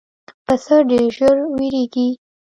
پسه ډېر ژر وېرېږي.